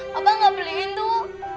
papa gak beliin tuh